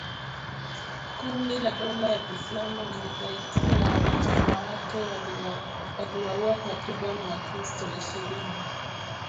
Kundi la dola ya Kiislamu ilidai kuwa wanachama wake waliwauwa takriban wakristo ishirini